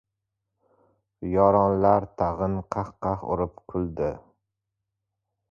Yoronlar tag‘in qah-qah urib kuldi.